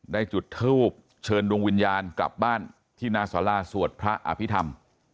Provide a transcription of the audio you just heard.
ได้จุดทูบเชิญดวงวิญญาณกลับบ้านที่นาศาลาสวดพระอภิษฐรรม